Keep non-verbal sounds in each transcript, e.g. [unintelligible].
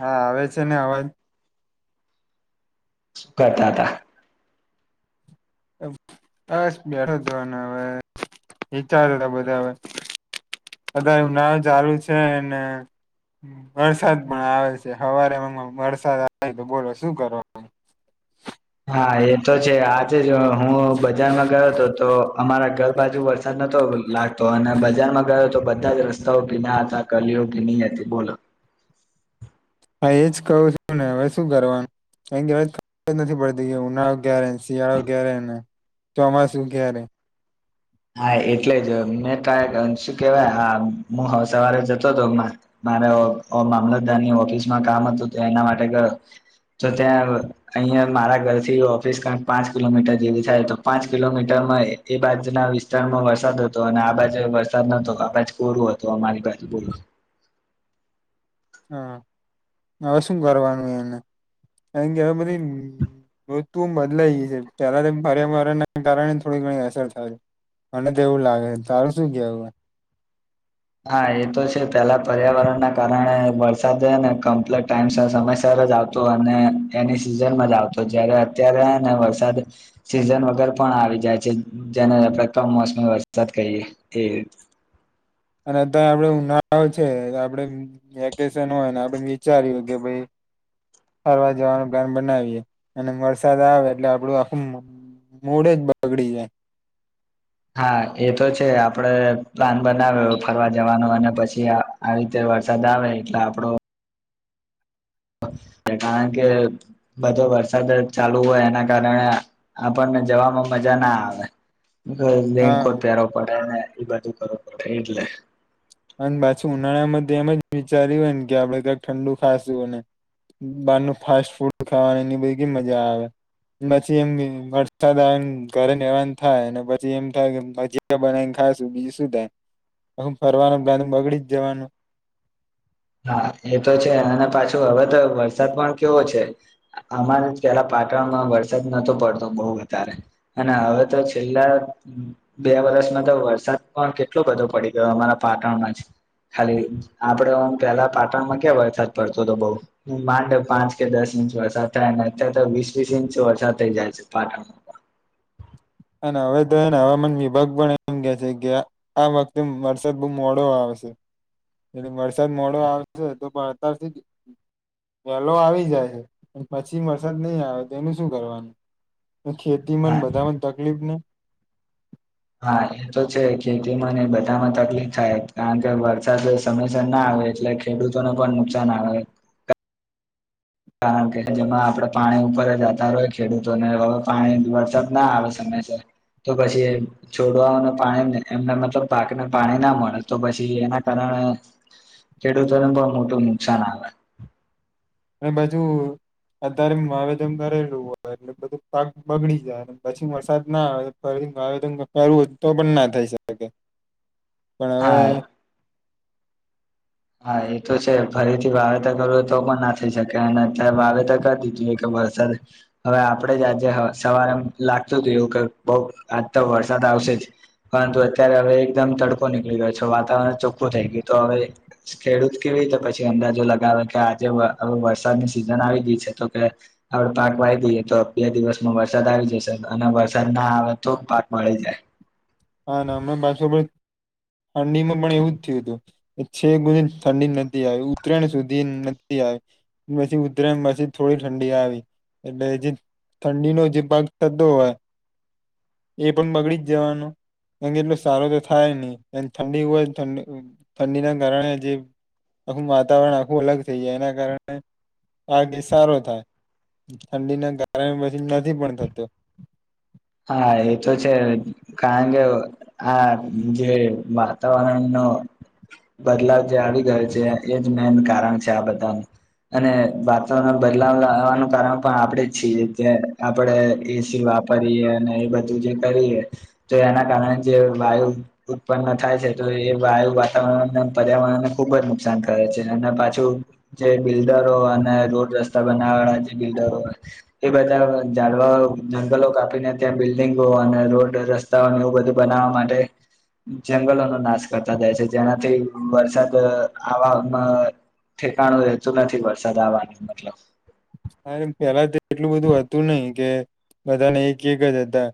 હા આવે છે છેને અવાજ શું કરતા હતા બસ બેઠો જોને હવે વિચાર ત બધા બધા એ નાવ ચાલુ છે ને વરસાદ પણ આવે છે હવારે વરસાદ આવે તો બોલો શું કરો હા એ તો છે આજ હું બજારમાં ગયો હતો તો અમારા ઘર બાજુ વરસાદ નતો લાગતો અને બજારમાં ગયો તો વરસાદ રસ્તા ભીના હતા, ગલીઓ ભીની હતી. બોલો હા એજ કહું છું ને હવે શું કરવાનું હ ખબર નથી પડતી કે ઉનાળો ક્યારે શિયાળો ક્યારે ચોમાસું ક્યારે હા એટલે જ મેં ક શું કેવાય હું સવારે જતો હતો મારા મામલતદારની ઓફિસમાં કામ હતું એના માટે ગયો તો ત્યાં અહિયાં મારા ઘરથી ઓફિસ ક્યાંક પાંચ કિલોમીટર જેવી થાય તો પાંચ કિલોમીટરમાં એ બાજુ ના વિ વિસ્તારમાં વરસાદ હતો અને આ બાજુ વરસાદ નતો આ બાજ કોરું હતું અમારી બાજુ બોલો હા હવે શું કરવાનું એને એ કે બધી ઋતુ બદલાઈ ગઈ છે પેલા પર્યાવરણને કારણે થોડી ઘણી અસર થાય છે મને તો એવું લાગે છે તારું શું કેવું હા એ તો છે પેલા પર્યાવરણના કારણે વરસાદને કમ્પ્લટ ટાઈમ સમયસર જ આવતો અને એની સિઝનમાં જ આવતો જયારે અત્યારેને વરસાદ સીઝન વગર પણ આવી જાય છે જેનેણે કમોસમી વરસાદ કહીએ એ અને ત આપડે ઉનાળ છે આપણેે વેકેશન હોય આપણે વિચારએ કે ભાઈ ફરવા જવાનું પ્લાન બનાવીએ અને વરસાદ આવે એટલે આપડું આખું મડ જ બગડી જાય આપડ પ્લાન બનાવ્યો ફરવા જવાનો અને પછી આવી રીતે વરસાદ આવે એટલે આપડો કારણ કે બધો વરસાદ ચાલુ હોય એના કારણે આપણને જવામાં મજા ના આવે લેન કો હા પ્યાર પડે એ બાજુ ખ થઈ એટલે અને પાછી ઉનાળામાં એમ જ વિચાર્યું હોય ને કે આપડે કક ઠંડુ ખાશું અને બહાર ન ફાસ્ટ ફૂડ ખાવાની એની બધી કે મજા આવે પછી એમ વરસાદ આવે ઘર એવા થાય પછી એમ થાય કે મજી બનાવીને ખાયશું બીજું શું થાય ફરવાનું ગા બગડી જ જવાનું [inaudible] હા એ તો છે અને પાછું હવે તો વરસાદ પણ કેવો છે અમારે પેલા પાટણમાં વરસાદ નોતો પડતો બહુ વધારે અને હવે તો છેલ્લા બે વરષમાં તો વરસાદ પણ કેટલો બધો પડી ગયો અમારા પાટણમાં જ ખાલી આપડ પેલા પાટણમાં ક્યાં વરસાદ પડતો હતો બઉ હું માંડ પાંચ કે દસ ઇંચ વરસાદ થાય અને અત્યારે તો વીસ વીસ ઇંચ વરસાદ થઇ જાય છે પાટણમાં પણ હવે તો એને હવામાન વિભાગ પણ એમ કે છે કે આ વખતે વરસાદ બહુ મોડો આવશે એ વરસાદ મોડો આવશે તો પણ અતારથી વહેલો આવી જાય છે પછી વરસાદ નહીં આવે તો એનું શું કરવાનું ખેતી હા બધામાં કબને હા એ તો છે ખેતીમાંને બધામાં તકલીફ થાય કારણ કે વરસાદ સમયસર ના આવે એટલે ખેડૂતોને પણ નુકસાન આવે કારણ કે જેમાં આપણે પાણી ઉપર જતા હોઈ ખેડૂતોને હવે પાણી વરસાદ ના આવે સમયસર તો પછી છોડવાઓને પાણી એમને મતલબ પાકને પાણી ના મળે તો પછી એના કારણે ખેડૂતોને પણ મોટું નુકસાન આવે અને પછુ અતારે માવેદન કરેલું હોય એટલે બધું પાક બગડી જાય પછી વરસાદ ના આવે માવેદન કરવું હોય તો પણ ના થઈ શકે પણ હવે હા હા એ તો છે ફરીથી વાવેતર કરવું તો પણ ના થઈ શકે અને અત્યારે વાવેતર કરી દીધું કે વરસાદ હવે આપણેે જ આજે સવારે એમ લાગતું થયું કે બઉ આજ તો વરસાદ આવશે જ પરંતુ અત્યારે હવે એકદમ તડકો નીકળી ગયો છે વાતાવરણ ચોખ્ખું થઈ ગયું તો હવે ખેડૂત કેવી તો પછી અંદાજો લગાવે કે આજે વરસાદની સિઝન આવી ગઈ છે તો કે આપડ પાક વાહીી દઈએ તો બે દિવસમાં વરસાદ આવી જશે અને વરસાદ ના આવે તો પાક મળળી જાય હા ના હમણા પાછ ઠંડીમાં પણ એવું જ થયું હતું છે ગ ઠંડી નથી આવી ઉત્તરાયણ સુધી નથી આવી પછી ઉત્તરાયણ પછી થોડી ઠંડી આવી એટલે જે ઠંડીનો જે ભાગ થતો હોય એ પણ બગડી જ જવાનો કાર કેટલોું સારો તો થાય નહી એ ઠંડી હોય ઠંડીના કારણે જે આખું વાતાવરણ આખું અલગ થઈ જાય એના કારણે આ કેસ સારો થાય ઠંડીના કારણે પછી નથી પણ થતો હા એ તો છે કારણ કે આ જે વાત તો બદલાવ જે આવી ગયો છે એજ મેન કારણ છે આ બધાનું અને વાતાવરણ બદલાવ લવાનું કારણ પણ આપણેે જ છીએ જે આપણેે એસી વાપરીએ એ બધું જે કરીએ તો એના કારણે જે વાયુ ઉત્પન્ન થાય છે તો એ વાયુ વાતાવરણને પર્યાવરણને ખુબ જ નુકસાન કરે છે અને પાછું જે બિલ્ડરો અને રોડ રસ્તા બનાવવા વાળા જે બિલ્ડરો એ બધા જાડવા જંગલો કાપીને ત્યાં બિલ્ડિંગો અને રોડ રસ્તાઓને એવું બધું બનાવવા માટે જંગલોનો નાશ કરતા જાય છે જેનાથી વરસાદ આવાવામાં ઠેકાણું રહેતું નથી વરસાદ આવાનું મતલબ હામ એટલું બધું હતું નહીિ કે બધાને એક એક જ હતા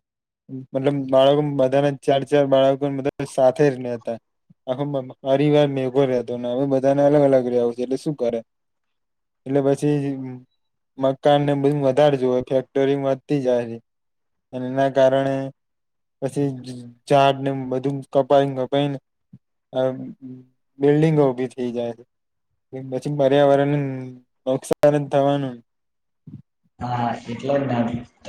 મતલબ બાળકો બધાના ચાર ચાર બાળકો બધા સાથે જહતા આખો પરિવાર મેઘો રહેતો હવે બધાને અલગ અલગ રવ છ એટલે શું કરે એટલે પછી મકાનને બધું વધારે જો ફેક્ટરી વધતી જાય છે અને એના કારણે પછી ઝાડને બધું કપાઈને કપાઈને આ બિલ્ડીંગો ઉભી થઈ જાય છે પછી પર્યાવરણને નુકસાન તવાનું [inaudible] હા એટલે જ ને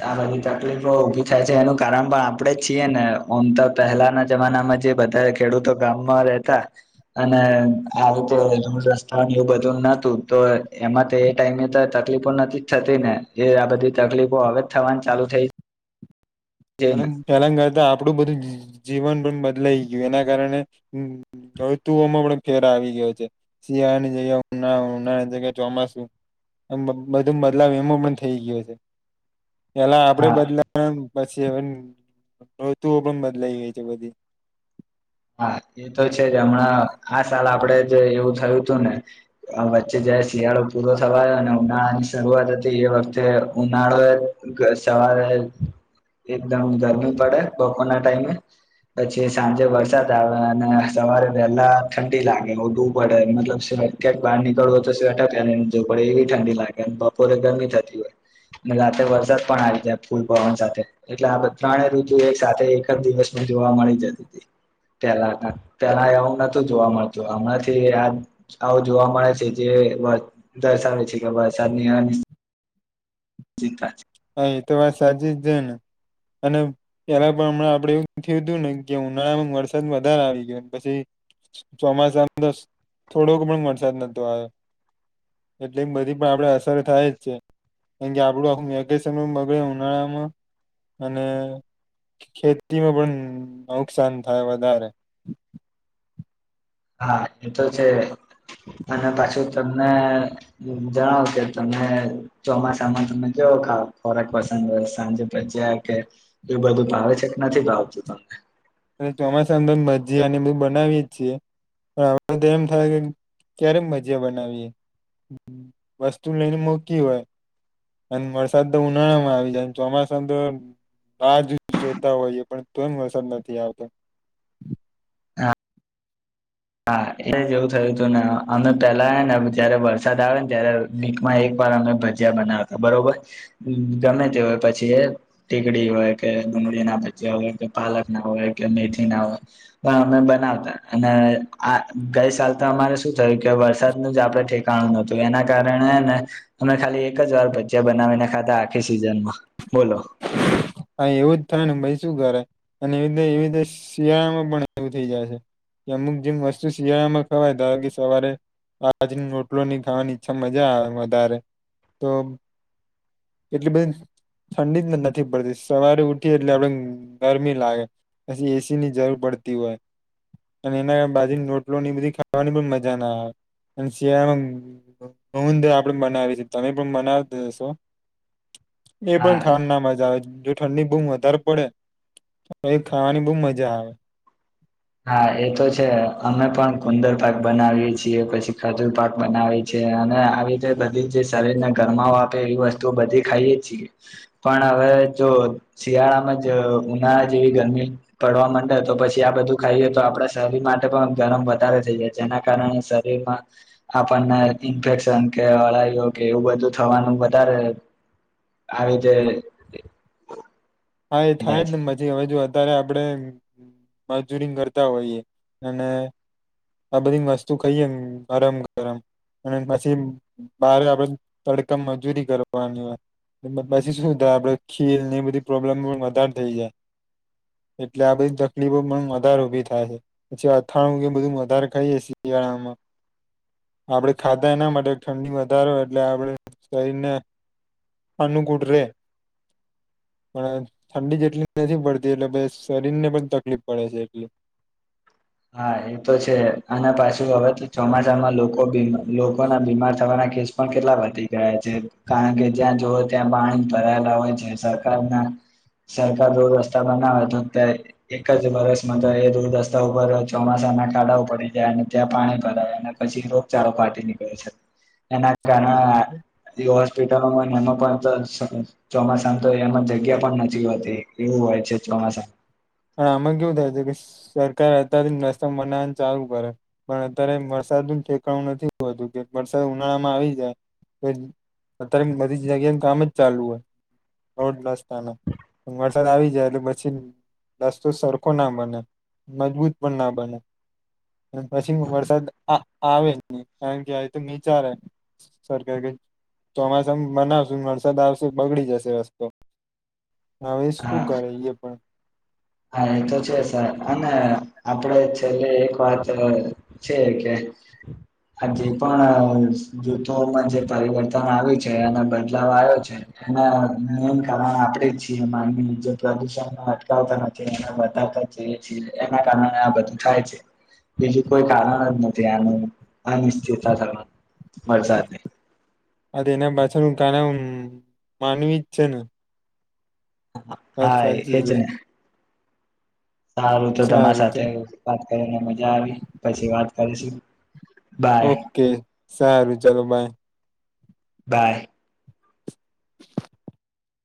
આ બધી તકલીફો ઉઊભી થાય છે એનું કારણ પણ આપડે જ છીએ ને આમ તો પહેલાના જમાનામાં જે બધા ખેડૂતો ગામમાં રહેતા અને આ રીતે રડ રસ્તાઓ એવું બધું નતું તો એમાં તો એ ટાઈમે તો તકલીફો નથી જ થતી ને એ આ બધી તકલીફો હવે જ થવાની ચાલુ થઈ છે અને ને તેલંગરતા આપડું બધું જીવન બદલાઈ ગયું એના કારણે તુમાં પણ ફેર આવી ગયો છે શિયાળાની જગ્યા ઉ ઉનાળની જગ્યા ચોમાસું બધું બદલાવ એમાં પણ થઇ ગયો છે પેલા આપડે હા બદલા સવન ઋતુઓ પણ બદલાઈ હોય છે બધી હા એ તો છે જ હમણાં આ સાલ આપડે જે એવું થયું હતું ને વચ્ચે જારે શિયાળો પૂરો થવાયો અને ઉનાળા ની શરૂઆત હતી એ વખતે ઉનાળો સવારે એકદમ ગરમી પડે બપોરના ટાઈમે પછી સાંજે વ આવે સવારે વહેલા ઠંડી લાગે ડૂું પડે મતલબ ક્યાંક બહાર નીકળવ હોય તો સ્વેટર પહેરી ને જોવું પડે એવી ઠંડી લાગે બપોરે ગરમી થતી હોય અને રાતે વરસાદ પણ આવી જાય ફૂલ પવન સાથે એટલે આ ત્રણેય ઋતુ એક સાથે એક જ દિવસમાં જોવા મળી જતી હતી પેલા પેલા એવું નતું જોવા મળતું હમણાંથી આ આવું જોવા મળે છે જે દર્શાવે છે કે વરસાદની જીતા હા એ તો વાત સાચી જ છે ને અને પેલા પ્રમાણે આપડે એવું થયું હતું ને કે ઉનાળામાં વરસાદ વધારે આવી ગયો પછી ચોમાસા અંદર થોડોક પણ વરસાદ નતો આવ્યો એટલે બધી પણ આપડે અસર થાય જ છે કારમ કે આપડું આખું સમય બગડે ઉનાળામાં અને ખેતીમાં પણ નુકસાન થાય વધારે. હા એતો છે અને પાછું તમને જણાવ કે તમે ચોમાસામાં તમે કેવો ખાવ ખોરાક પસંદ સાંજે ભજીયા કે એવું બધું ભાવે છે કે નથી ભાવતું તમને? ચોમાસાંદ ભજીયાને બધ બનાવી જ છીએ પણ હવે તો એમ થાય કે ક્યારેમ ભજીયા બનાવીએ વસ્તુ લઈને મૂકી હોય અને વરસાદ તો ઉનાળા માં આવી જાય ચોમાસા તો બાર જ જોતા હોઈએ પણ તો વરસાદ ન નથી આવતો. હા એ જેવું થયું હતું ને અમે પેલા ને જયારે વરસાદ આવે ને ત્યારે મીકમાં એક વાર અમે ભજીયા બનાવતા બરોબર ગમે તે હોય પછી એ ટીકડી હોય કે ડુંગળી ના ભજીયા હોય કે પાલક ના હોય કે મેથી ના હોય પણ અમે બનાવતા અને આ ગઈ સાલ તો અમારે શું થયું કે વરસાદનું જ આપણે ઠેકાણું નતું એના કારણે ને અમે ખાલી એક જ વાર ભજીયા બનાવીને ખાતા આખી સિઝનમાં બોલો. હા એવું જ થાય ને ભાઈ શું કરે અને એવી રી એવી રીતે શિયાળામાં પણ એવું થઈ જાય છે કે અમુક જેમ વસ્તુ શિયાળામાં ખવાય ધાર કે સવારે બાજ રોટલોની ખાવાની ઈચ્છા મજા આવે વધારે તો એટલી બધી ઠંડી નથી પડતી શિ સવારે ઉઠી એટલે આપ ગરમી લાગે પછી એસીની જરૂર પડતી હોય અને એના બાજરી નો રોટલો ની બધી ખાવાની પણ મજા ના આવે અને શિયાળામાં ગંધર આપણે બનાવી છે તમે પણ બનાવેશો? એ હા પણ ખાવાની ના મજા આવે. જો ઠંડી બહુ વધારે પડે ખાવાની બહું મજા આવે. હા એ તો છે અમે પણ ગુંદર પાક બનાવીએ છીએ પછી ખાજુર પાક બનાવીએ છીએ અને આવી રીતે બધી જે શરીરને ગરમાવ આપે એવી વસ્તુ બધી ખાઈએ છીએ પણ હવે જો શિયાળામાં જ ઉનાળા જેવી ગરમી પડવા માંડે તો પછી આ બધું ખાઈએ તો આપણા શરીર માટે પણ ગરમ વધારે થઈ જાય જેના કારણે શરીરમાં આપણને ઇન્ફેક્શન કે અળાઈઓ કે એવું બધું થવાનું વધારે આવીતે હા એ થાય જ ને બાછી હવે જો અ્યારે આપણેે મજૂરી કરતા હોઈએ અને આ બધી વસ્તુ ખાઈએ ગરમ ગરમ અને પછી બાર આપડે તડકા મજૂરી કરવાની હોય પછી શું થાય આપડે ખીલ એ બધી પ્રોબ્લેમ પણ વધારે થઈ જાય એટલે આ બધી તકલીફો પણ વધારે ઊભી થાય છે પછી અથાણું બધું વધારે ખાઈએ શિયાળામાં આપણે ખાધા એના માટે ઠંડી વધારે એટલે આપણે શરીરને અનુકૂટ રે પણ ઠંડી જેટલી નથી પડતી એટલે પ શરીર ને પણ તકલીફ પડે છે એટલી. હા એ તો છે આના પાછ હવે તો ચોમાસામાં લોકો લોકોના બીમાર થવાના કેસ પણ કેટલા વધી ગયા છે કારણ કે જ્યાં જોવો ત્યાં પાણી ભરાયેલા હોય છે સરકારના સરકાર રોડ રસ્તા બનાવે તો એક જ વરષમાં તો એ રોડ રસ્તા ર ચોમાસાના કાડાઓ પડી જાય અને ત્યાં પાણી ભરાય અને પછી રોગચાળો ફાટી નીકળે છે એના [inaudible] હોસ્પિટલોમાં એમાં પણ ચોમાસા તો એમાં જગ્યા પણ નથી હોતી એવું હોય છે ચોમાસા પણ આમાં કેવું થાય કે સરકાર અત્યારે રસ્તા બનાવ ચાલુ કરે પણ અત્યારે વરસાદનું ઠેકાણું નથી હોતું કે વરસાદ ઉનાળામાં આવી જાય તો અત્યારે બધી જગ્યાનું કામ જ ચાલુ હોય રોડ રસ્તાના વરસાદ આવી જાય એટલે પછી રસ્તો સરખો ના બને મજબૂત પણ ના બને પછી વરસાદ આ આવે જ નહી કારણ કે આ તો વિચારે સરકાર કે ચોમાસા બનાવશું વરસાદ આવશે બગડી જશે રસ્તો. હવે શું હા કરે એ પણ. હા એ તો છે સર અને આપડે છેલ્લે એક વાત છે કે આ જે પણ જૂથોમાં જે પરિવર્તન આવ્યું છે અને બદલાવ આવ્યો છે. એમાં [unintelligible] ઈચ્છીઇ માંગીએ જે પ્રદુષણ અટકાવતા [unintelligible] બીએ એના કારણે આ બધું થાય છે બીજું કોઈ કારણ જ નથી આનું અનિશ્ચિતતા થવા વરસાને. આ એના પાછળનું કારણ માનવી જ છે ને. હ વાત હા સાચી એજ છે ને. સારું તો તમારા સારું સાથે ચાલ વાત કરીને મજા આવી પછી વાત કરીશું બાય. ઓકે સારું ચાલો બાય બાય. [inaudible]